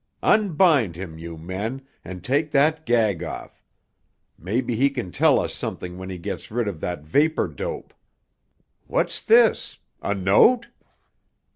Unbind him, you men, and take that gag off. Maybe he can tell us something when he gets rid of that vapor dope. What's this—a note?"